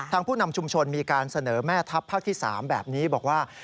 ผู้นำชุมชนมีการเสนอแม่ทัพภาคที่๓แบบนี้บอกว่า